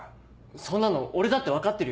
そんなの俺だって分かってるよ。